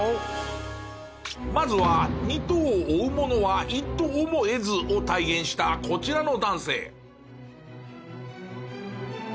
まずは「二兎を追うものは一兎をも得ず」を体現したこちらの男性。